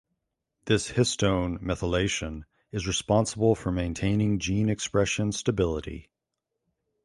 This histone methylation is responsible for maintaining gene expression stability.